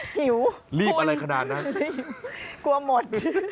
หิวรีบอะไรขนาดนั้นกลัวหมด